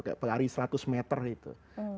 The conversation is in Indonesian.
kayak pelari seratus meter itu